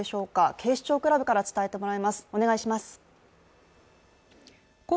警視庁クラブから伝えてもらいます。